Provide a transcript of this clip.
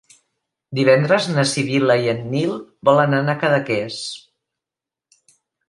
Divendres na Sibil·la i en Nil volen anar a Cadaqués.